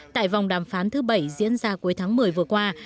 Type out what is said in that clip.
tại vòng đàm phán thứ bảy diễn ra cuối tháng một mươi vừa qua